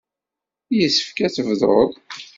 Yessefk ad tebduḍ.